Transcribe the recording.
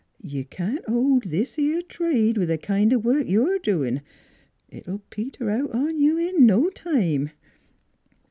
You can't hold this 'ere trade with th' kind o' work you're doin'. It'll peter out on you in no time."